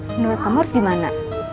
menurut kamu harus gimana